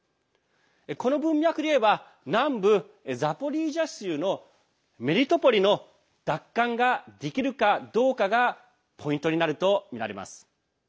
この文脈でいえば南部ザポリージャ州のメリトポリの奪還ができるかどうかがポイントになるとみられます。